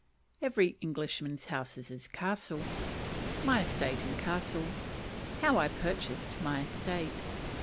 Every Englishman's House is his Castle. My Estate and Castle. How I purchased my Estate.